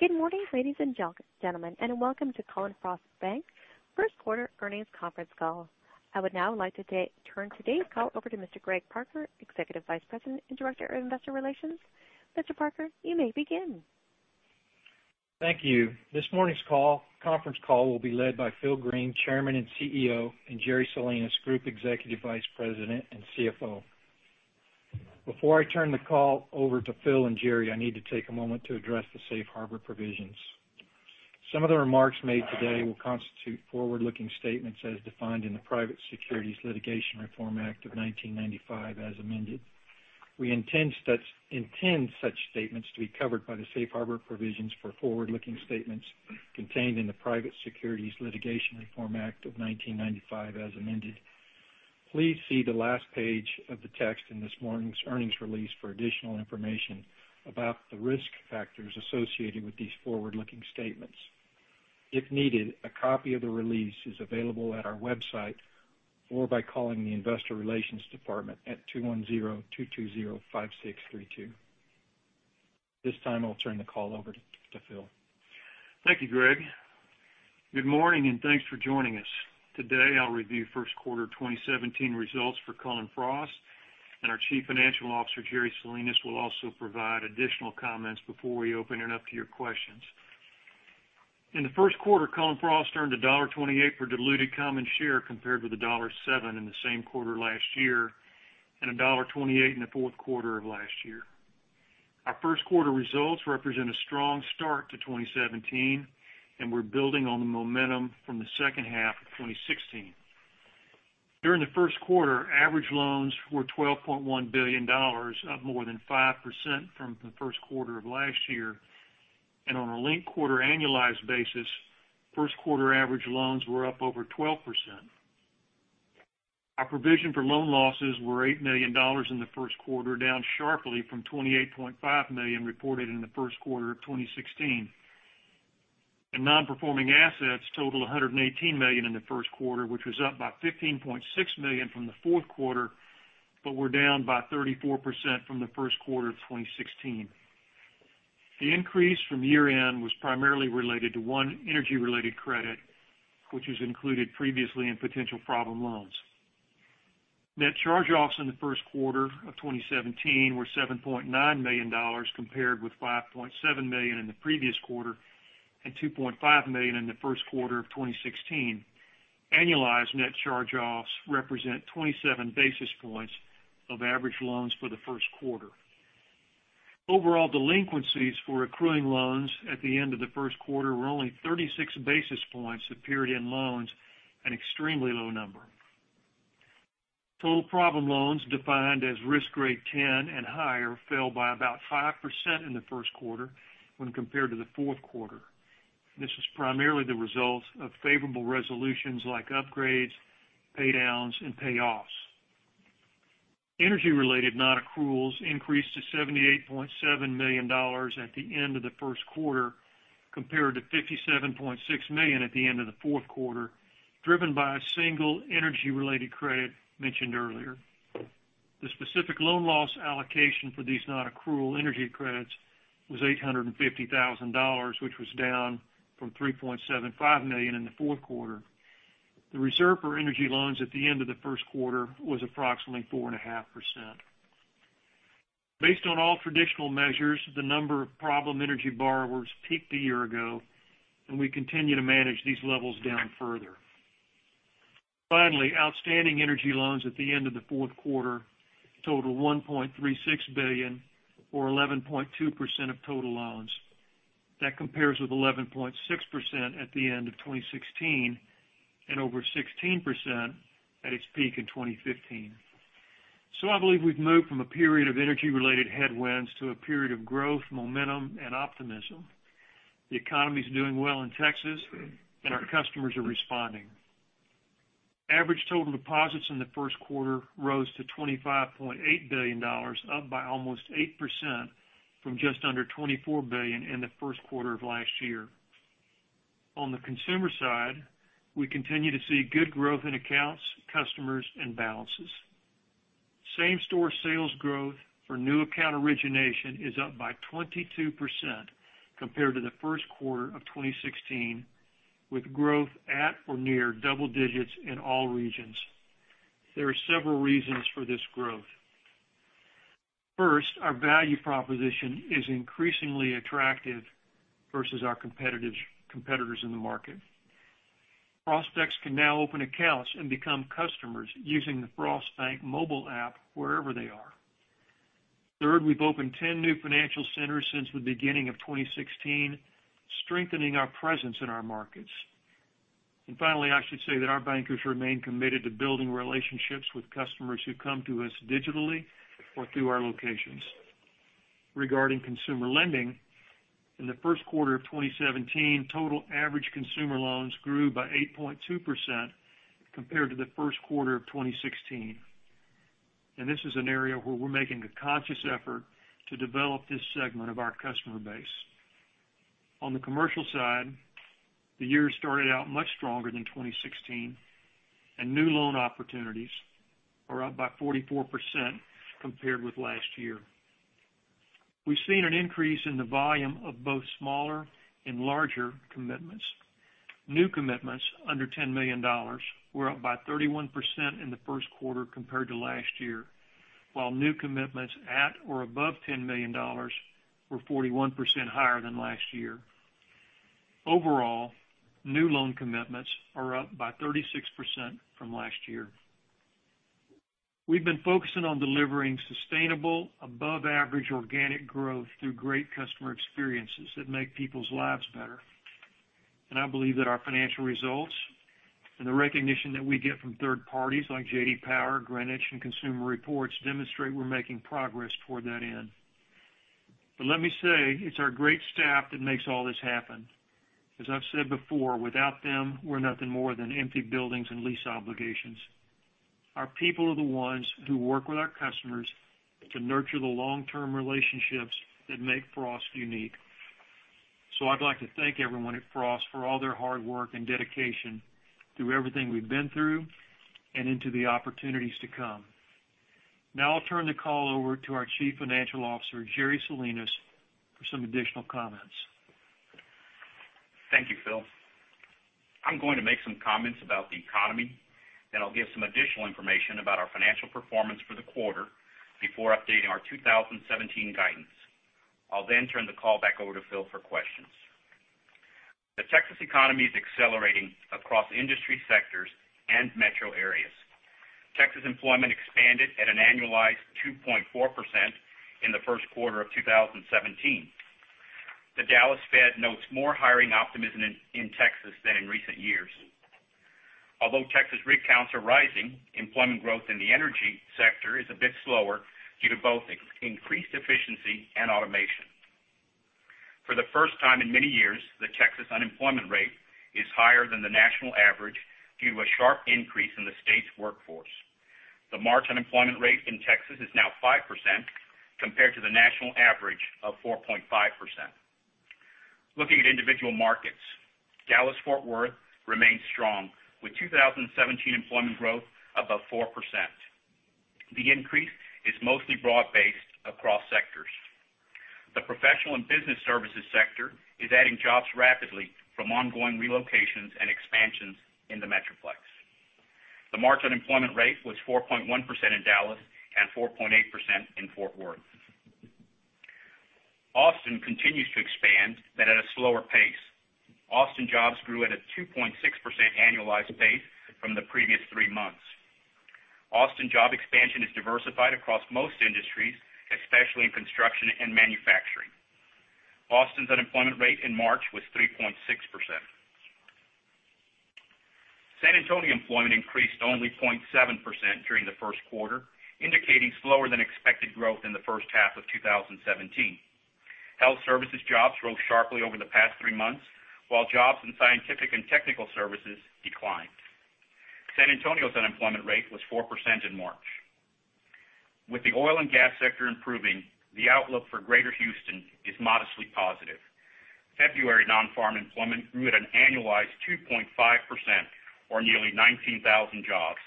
Good morning, ladies and gentlemen, and welcome to Cullen/Frost Bankers First Quarter Earnings Conference Call. I would now like to turn today's call over to Mr. Greg Parker, Executive Vice President and Director of Investor Relations. Mr. Parker, you may begin. Thank you. This morning's conference call will be led by Phil Green, Chairman and CEO, and Jerry Salinas, Group Executive Vice President and CFO. Before I turn the call over to Phil and Jerry, I need to take a moment to address the safe harbor provisions. Some of the remarks made today will constitute forward-looking statements as defined in the Private Securities Litigation Reform Act of 1995, as amended. We intend such statements to be covered by the safe harbor provisions for forward-looking statements contained in the Private Securities Litigation Reform Act of 1995, as amended. Please see the last page of the text in this morning's earnings release for additional information about the risk factors associated with these forward-looking statements. If needed, a copy of the release is available at our website or by calling the investor relations department at 210-220-5632. This time, I'll turn the call over to Phil. Thank you, Greg. Good morning, and thanks for joining us. Today, I'll review first quarter 2017 results for Cullen/Frost, and our Chief Financial Officer, Jerry Salinas, will also provide additional comments before we open it up to your questions. In the first quarter, Cullen/Frost earned $1.28 per diluted common share compared with $1.07 in the same quarter last year, and $1.28 in the fourth quarter of last year. Our first quarter results represent a strong start to 2017, and we're building on the momentum from the second half of 2016. During the first quarter, average loans were $12.1 billion, up more than 5% from the first quarter of last year. On a linked-quarter annualized basis, first quarter average loans were up over 12%. Our provision for loan losses were $8 million in the first quarter, down sharply from $28.5 million reported in the first quarter of 2016. Non-performing assets total $118 million in the first quarter, which was up by $15.6 million from the fourth quarter, but were down by 34% from the first quarter of 2016. The increase from year-end was primarily related to one energy-related credit, which was included previously in potential problem loans. Net charge-offs in the first quarter of 2017 were $7.9 million, compared with $5.7 million in the previous quarter and $2.5 million in the first quarter of 2016. Annualized net charge-offs represent 27 basis points of average loans for the first quarter. Overall delinquencies for accruing loans at the end of the first quarter were only 36 basis points of period-end loans, an extremely low number. Total problem loans, defined as risk grade 10 and higher, fell by about 5% in the first quarter when compared to the fourth quarter. This is primarily the result of favorable resolutions like upgrades, paydowns, and payoffs. Energy-related non-accruals increased to $78.7 million at the end of the first quarter, compared to $57.6 million at the end of the fourth quarter, driven by a single energy-related credit mentioned earlier. The specific loan loss allocation for these non-accrual energy credits was $850,000, which was down from $3.75 million in the fourth quarter. The reserve for energy loans at the end of the first quarter was approximately 4.5%. Based on all traditional measures, the number of problem energy borrowers peaked a year ago, and we continue to manage these levels down further. Finally, outstanding energy loans at the end of the first quarter total $1.36 billion, or 11.2% of total loans. That compares with 11.6% at the end of 2016 and over 16% at its peak in 2015. I believe we've moved from a period of energy-related headwinds to a period of growth, momentum, and optimism. The economy's doing well in Texas, and our customers are responding. Average total deposits in the first quarter rose to $25.8 billion, up by almost 8% from just under $24 billion in the first quarter of last year. On the consumer side, we continue to see good growth in accounts, customers, and balances. Same-store sales growth for new account origination is up by 22% compared to the first quarter of 2016, with growth at or near double digits in all regions. There are several reasons for this growth. First, our value proposition is increasingly attractive versus our competitors in the market. Prospects can now open accounts and become customers using the Frost Bank mobile app wherever they are. Third, we've opened 10 new financial centers since the beginning of 2016, strengthening our presence in our markets. Finally, I should say that our bankers remain committed to building relationships with customers who come to us digitally or through our locations. Regarding consumer lending, in the first quarter of 2017, total average consumer loans grew by 8.2% compared to the first quarter of 2016. This is an area where we're making a conscious effort to develop this segment of our customer base. On the commercial side, the year started out much stronger than 2016, and new loan opportunities are up by 44% compared with last year. We've seen an increase in the volume of both smaller and larger commitments. New commitments under $10 million were up by 31% in the first quarter compared to last year, while new commitments at or above $10 million were 41% higher than last year. Overall, new loan commitments are up by 36% from last year. We've been focusing on delivering sustainable, above-average organic growth through great customer experiences that make people's lives better. I believe that our financial results and the recognition that we get from third parties like J.D. Power, Greenwich, and Consumer Reports demonstrate we're making progress toward that end. Let me say, it's our great staff that makes all this happen. As I've said before, without them, we're nothing more than empty buildings and lease obligations. Our people are the ones who work with our customers to nurture the long-term relationships that make Frost unique. I'd like to thank everyone at Frost for all their hard work and dedication through everything we've been through and into the opportunities to come. I'll turn the call over to our Chief Financial Officer, Jerry Salinas, for some additional comments. Thank you, Phil. I'm going to make some comments about the economy, then I'll give some additional information about our financial performance for the quarter before updating our 2017 guidance. I'll turn the call back over to Phil for questions. The Texas economy is accelerating across industry sectors and metro areas. Texas employment expanded at an annualized 2.4% in the first quarter of 2017. The Dallas Fed notes more hiring optimism in Texas than in recent years. Although Texas rig counts are rising, employment growth in the energy sector is a bit slower due to both increased efficiency and automation. For the first time in many years, the Texas unemployment rate is higher than the national average due to a sharp increase in the state's workforce. The March unemployment rate in Texas is now 5%, compared to the national average of 4.5%. Looking at individual markets, Dallas-Fort Worth remains strong, with 2017 employment growth above 4%. The increase is mostly broad-based across sectors. The professional and business services sector is adding jobs rapidly from ongoing relocations and expansions in the Metroplex. The March unemployment rate was 4.1% in Dallas and 4.8% in Fort Worth. Austin continues to expand, but at a slower pace. Austin jobs grew at a 2.6% annualized pace from the previous three months. Austin job expansion is diversified across most industries, especially in construction and manufacturing. Austin's unemployment rate in March was 3.6%. San Antonio employment increased only 0.7% during the first quarter, indicating slower than expected growth in the first half of 2017. Health services jobs rose sharply over the past three months, while jobs in scientific and technical services declined. San Antonio's unemployment rate was 4% in March. With the oil and gas sector improving, the outlook for Greater Houston is modestly positive. February non-farm employment grew at an annualized 2.5%, or nearly 19,000 jobs.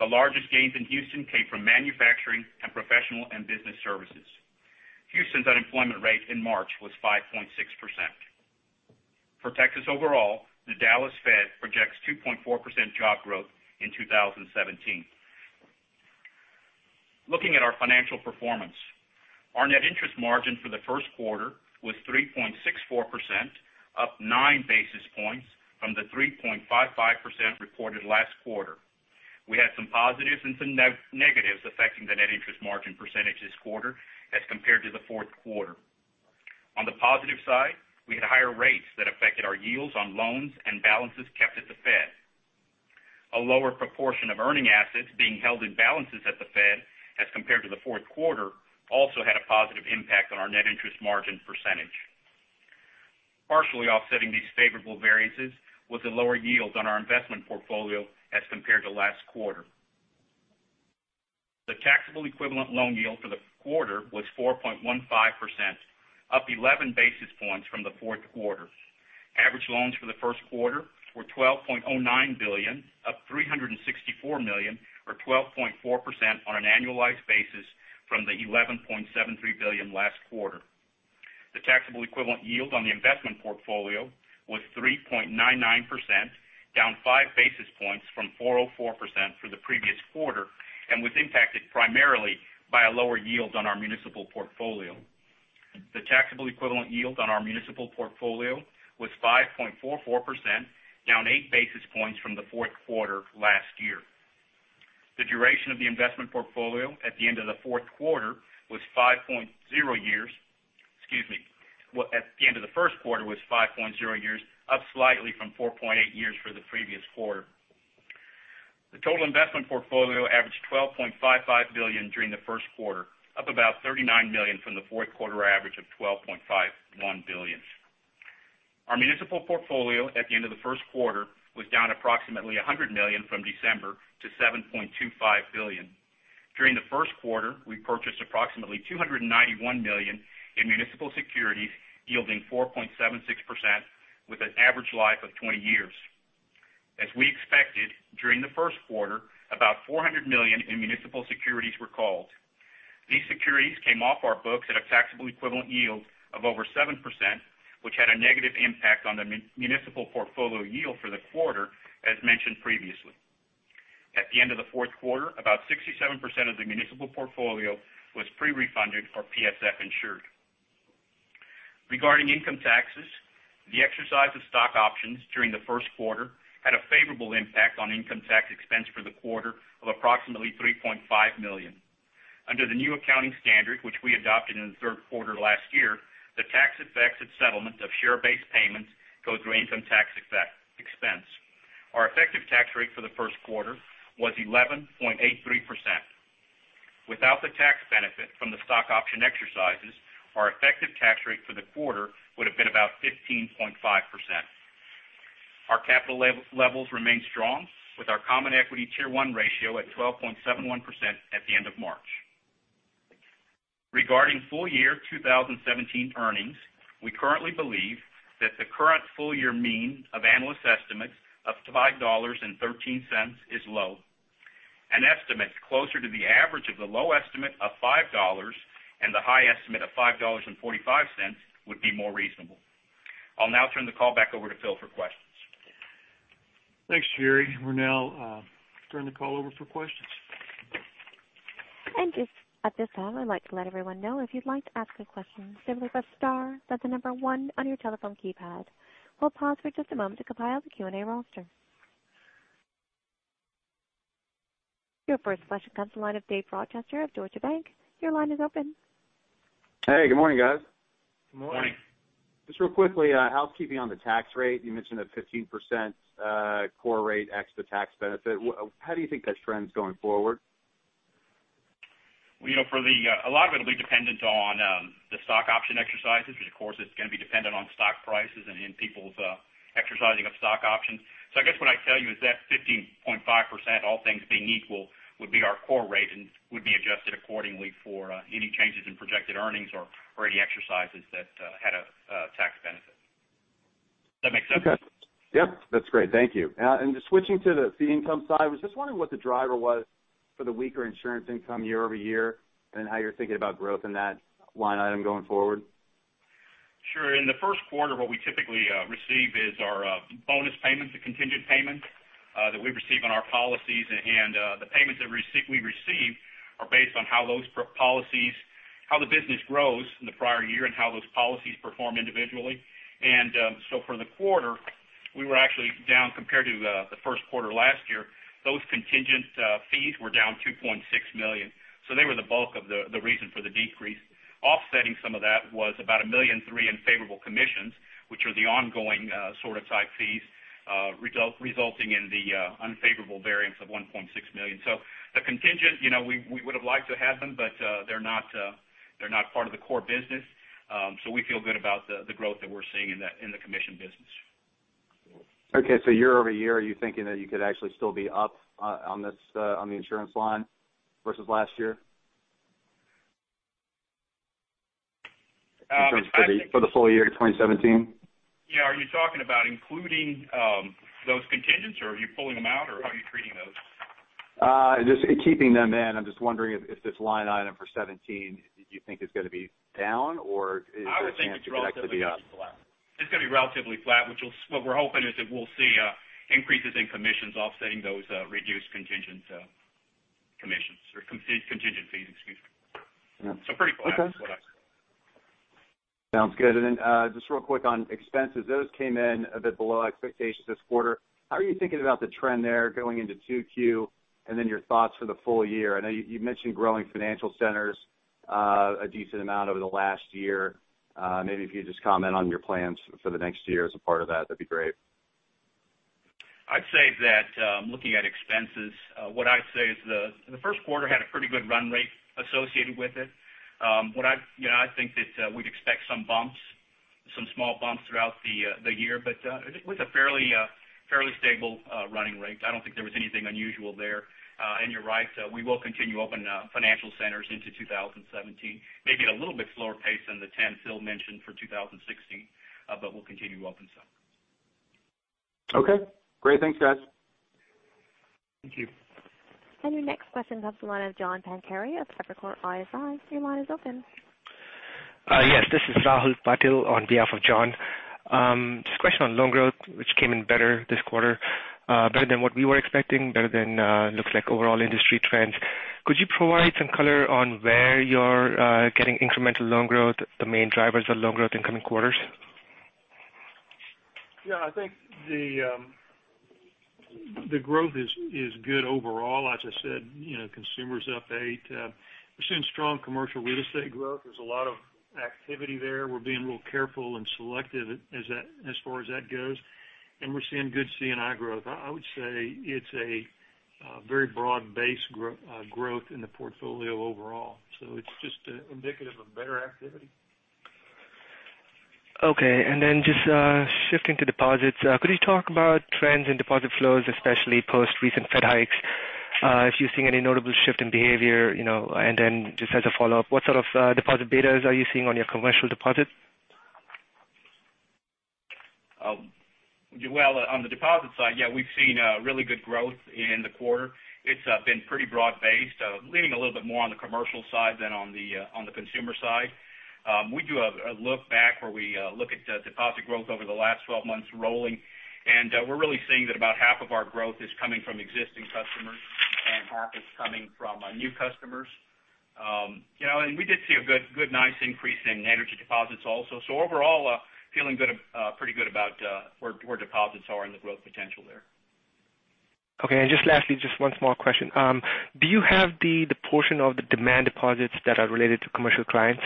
The largest gains in Houston came from manufacturing and professional and business services. Houston's unemployment rate in March was 5.6%. For Texas overall, the Federal Reserve Bank of Dallas projects 2.4% job growth in 2017. Looking at our financial performance, our net interest margin for the first quarter was 3.64%, up nine basis points from the 3.55% reported last quarter. We had some positives and some negatives affecting the net interest margin percentage this quarter as compared to the fourth quarter. On the positive side, we had higher rates that affected our yields on loans and balances kept at the Fed. A lower proportion of earning assets being held in balances at the Fed as compared to the fourth quarter also had a positive impact on our net interest margin percentage. Partially offsetting these favorable variances was the lower yields on our investment portfolio as compared to last quarter. The taxable equivalent loan yield for the quarter was 4.15%, up 11 basis points from the fourth quarter. Average loans for the first quarter were $12.09 billion, up $364 million, or 12.4% on an annualized basis from the $11.73 billion last quarter. The taxable equivalent yield on the investment portfolio was 3.99%, down five basis points from 4.04% for the previous quarter, and was impacted primarily by a lower yield on our municipal portfolio. The taxable equivalent yield on our municipal portfolio was 5.44%, down eight basis points from the fourth quarter last year. The duration of the investment portfolio at the end of the fourth quarter was 5.0 years, excuse me, at the end of the first quarter was 5.0 years, up slightly from 4.8 years for the previous quarter. The total investment portfolio averaged $12.55 billion during the first quarter, up about $39 million from the fourth quarter average of $12.51 billion. Our municipal portfolio at the end of the first quarter was down approximately $100 million from December to $7.25 billion. During the first quarter, we purchased approximately $291 million in municipal securities yielding 4.76% with an average life of 20 years. As we expected, during the first quarter, about $400 million in municipal securities were called. These securities came off our books at a taxable equivalent yield of over 7%, which had a negative impact on the municipal portfolio yield for the quarter, as mentioned previously. At the end of the fourth quarter, about 67% of the municipal portfolio was pre-refunded or PSF insured. Regarding income taxes, the exercise of stock options during the first quarter had a favorable impact on income tax expense for the quarter of approximately $3.5 million. Under the new accounting standard, which we adopted in the third quarter last year, the tax effects of settlement of share-based payments go through income tax expense. Our effective tax rate for the first quarter was 11.83%. Without the tax benefit from the stock option exercises, our effective tax rate for the quarter would've been about 15.5%. Our capital levels remain strong, with our Common Equity Tier 1 ratio at 12.71% at the end of March. Regarding full year 2017 earnings, we currently believe that the current full year mean of analyst estimates of $5.13 is low. An estimate closer to the average of the low estimate of $5 and the high estimate of $5.45 would be more reasonable. I'll now turn the call back over to Phil for questions. Thanks, Jerry. We'll now turn the call over for questions. Just at this time, I'd like to let everyone know if you'd like to ask a question, simply press star, then the number one on your telephone keypad. We'll pause for just a moment to compile the Q&A roster. Your first question comes from the line of David Rochester of Deutsche Bank. Your line is open. Hey, good morning, guys. Good morning. Good morning. Just real quickly, housekeeping on the tax rate. You mentioned a 15% core rate ex the tax benefit. How do you think that trend's going forward? Well, a lot of it'll be dependent on the stock option exercises, which of course, is going to be dependent on stock prices and in people's exercising of stock options. I guess what I'd tell you is that 15.5%, all things being equal, would be our core rate and would be adjusted accordingly for any changes in projected earnings or any exercises that had a tax benefit. Does that make sense? Okay. Yep. That's great. Thank you. Just switching to the fee income side, I was just wondering what the driver was for the weaker insurance income year-over-year and how you're thinking about growth in that line item going forward. Sure. In the first quarter, what we typically receive is our bonus payments, the contingent payments that we receive on our policies. The payments that we receive are based on how the business grows from the prior year and how those policies perform individually. For the quarter, we were actually down compared to the first quarter last year. Those contingent fees were down $2.6 million. They were the bulk of the reason for the decrease. Offsetting some of that was about a $1.3 million in favorable commissions, which are the ongoing sort of type fees, resulting in the unfavorable variance of $1.6 million. The contingent, we would've liked to have them, but they're not part of the core business. We feel good about the growth that we're seeing in the commission business. Okay, year-over-year, are you thinking that you could actually still be up on the insurance line versus last year? For the full year 2017. Yeah. Are you talking about including those contingents, or are you pulling them out, or how are you treating those? Just keeping them in. I'm just wondering if this line item for 2017, do you think is going to be down or is there a chance it could actually be up? It's going to be relatively flat. What we're hoping is that we'll see increases in commissions offsetting those reduced contingent commissions or contingent fees, excuse me. Pretty flat. Okay. Sounds good. Just real quick on expenses. Those came in a bit below expectations this quarter. How are you thinking about the trend there going into 2Q and then your thoughts for the full year? I know you mentioned growing financial centers a decent amount over the last year. Maybe if you could just comment on your plans for the next year as a part of that'd be great. I'd say that, looking at expenses, what I'd say is the first quarter had a pretty good run rate associated with it. I think that we'd expect some bumps, some small bumps throughout the year, but with a fairly stable running rate. I don't think there was anything unusual there. You're right, we will continue to open financial centers into 2017. Maybe at a little bit slower pace than the 10 Phil mentioned for 2016. We'll continue to open some. Okay, great. Thanks, guys. Thank you. Your next question comes the line of Jon Arfstrom of Evercore ISI. Your line is open. Yes. This is Rahul Patil on behalf of Jon. Just a question on loan growth, which came in better this quarter, better than what we were expecting, better than looks like overall industry trends. Could you provide some color on where you're getting incremental loan growth, the main drivers of loan growth in coming quarters? I think the growth is good overall. As I said, consumers up 8%. We're seeing strong commercial real estate growth. There's a lot of activity there. We're being real careful and selective as far as that goes, and we're seeing good C&I growth. I would say it's a very broad-based growth in the portfolio overall. It's just indicative of better activity. Just shifting to deposits, could you talk about trends in deposit flows, especially post recent Fed hikes, if you're seeing any notable shift in behavior? Just as a follow-up, what sort of deposit betas are you seeing on your commercial deposits? On the deposit side, we've seen really good growth in the quarter. It's been pretty broad-based, leaning a little bit more on the commercial side than on the consumer side. We do a look back where we look at deposit growth over the last 12 months rolling, we're really seeing that about half of our growth is coming from existing customers, half is coming from new customers. We did see a good, nice increase in energy deposits also. Overall, feeling pretty good about where deposits are and the growth potential there. Just lastly, just one small question. Do you have the portion of the demand deposits that are related to commercial clients?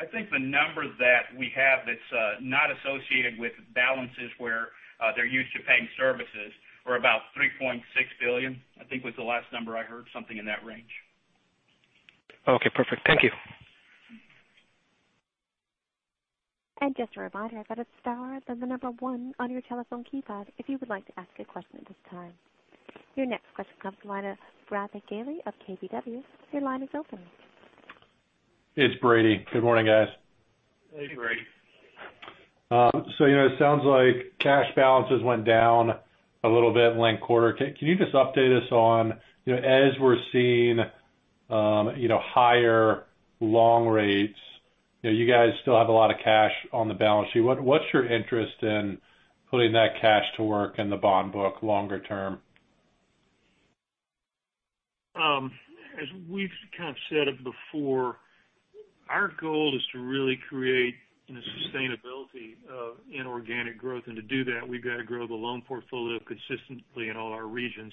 I think the number that we have that's not associated with balances where they're used to paying services are about $3.6 billion, I think was the last number I heard, something in that range. Okay, perfect. Thank you. Just a reminder, that is star, then the number one on your telephone keypad if you would like to ask a question at this time. Your next question comes from the line of Brady Gailey of KBW. Your line is open. It's Brady. Good morning, guys. Hey, Brady. It sounds like cash balances went down a little bit linked quarter. Can you just update us on, as we're seeing higher long rates, you guys still have a lot of cash on the balance sheet. What's your interest in putting that cash to work in the bond book longer term? As we've kind of said it before, our goal is to really create a sustainability of inorganic growth, to do that, we've got to grow the loan portfolio consistently in all our regions.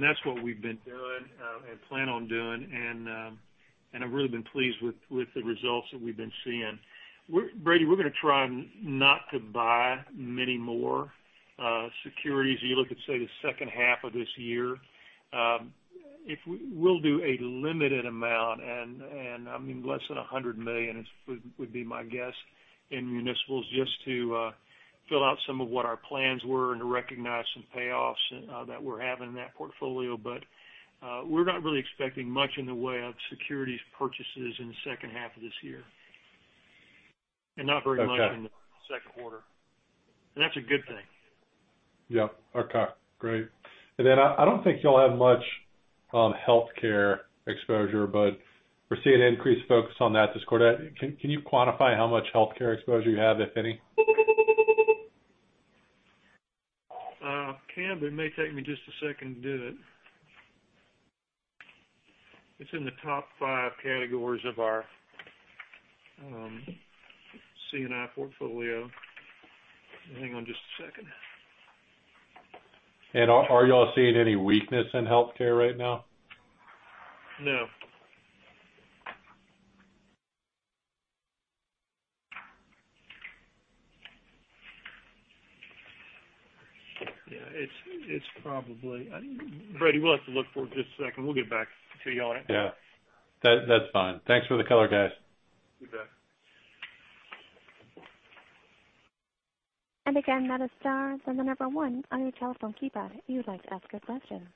That's what we've been doing and plan on doing. I've really been pleased with the results that we've been seeing. Brady, we're going to try not to buy many more securities. You look at, say, the second half of this year. We'll do a limited amount, less than $100 million would be my guess in municipals just to fill out some of what our plans were and to recognize some payoffs that we're having in that portfolio. We're not really expecting much in the way of securities purchases in the second half of this year. Okay. Not very much in the second quarter. That's a good thing. Yep. Okay, great. Then I don't think you all have much healthcare exposure, we're seeing increased focus on that this quarter. Can you quantify how much healthcare exposure you have, if any? I can, but it may take me just a second to do it. It's in the top 5 categories of our C&I portfolio. Hang on just a second. Are you all seeing any weakness in healthcare right now? No. Yeah, it's probably Brady, we'll have to look for it this second. We'll get back to you on it. Yeah. That's fine. Thanks for the color, guys. You bet. Again, that is star, then the number one on your telephone keypad if you would like to ask a question.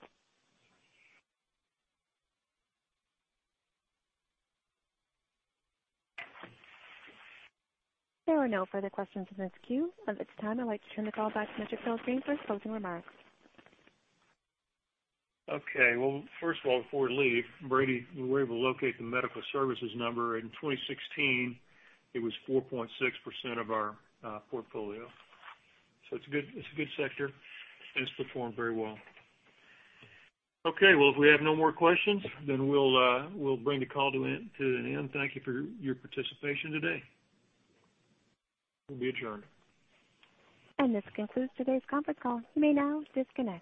There are no further questions in this queue. At this time, I'd like to turn the call back to Phil Green for closing remarks. Okay. Well, first of all, before we leave, Brady, we were able to locate the medical services number. In 2016, it was 4.6% of our portfolio. It's a good sector, and it's performed very well. Okay. Well, if we have no more questions, we'll bring the call to an end. Thank you for your participation today. We'll be adjourning. This concludes today's conference call. You may now disconnect.